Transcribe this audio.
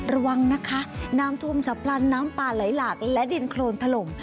ระวังนะคะน้ำท่วมฉับพลันน้ำป่าไหลหลากและดินโครนถล่ม